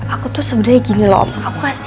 aku tuh sebenernya gini loh om aku gak mau